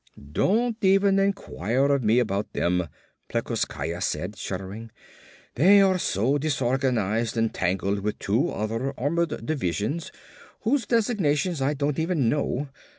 "Don't even inquire of me about them," Plekoskaya said, shuddering. "They are so disorganized and tangled with two other armored divisions whose designations I don't even know.